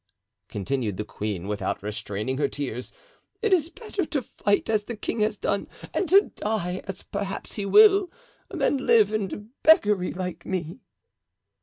continued the queen, without restraining her tears, "it is better to fight as the king has done, and to die, as perhaps he will, than live in beggary like me."